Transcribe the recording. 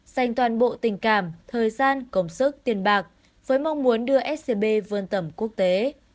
dành toàn bộ tình cảm thời gian công sức tiền bạc với mong muốn đưa scb vươn tầm quốc tế